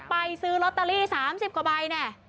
ไปซื้อรอตาลี๓๐กว่าใบนี้